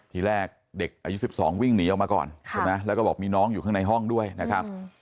ทีแรกเด็กอายุ๑๒วิ่งหนีออกมาก่อนใช่ไหมแล้วก็บอกมีน้องอยู่ข้างในห้องด้วยนะครับ